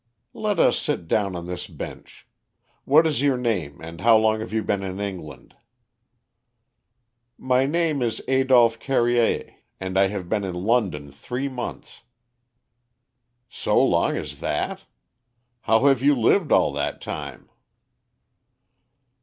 "Let us sit down on this bench. What is your name, and how long have you been in England?" "My name is Adolph Carrier, and I have been in London three months." "So long as that? How have you lived all that time?"